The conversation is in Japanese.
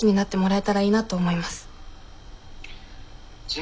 え？